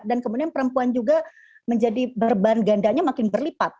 dan kemudian perempuan juga menjadi berband gandanya makin berlipat